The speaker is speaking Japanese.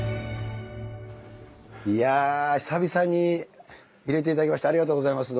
いやあ久々に入れていただきましてありがとうございます。